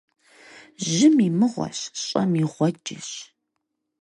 Жьым и мыгъуэщ, щӀэм и гъуэджэщ.